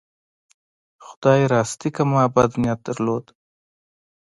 خدای راستي که ما بد نیت درلود.